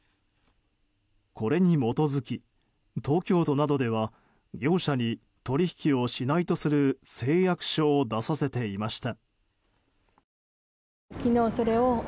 これに基づき、東京都などでは業者に取引をしないとする誓約書を出させていました。